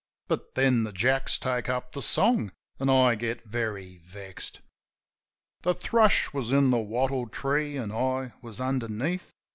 But then the Jacks take up the song, an' I get very vexed. The thrush was in the wattle tree, an' I was underneath.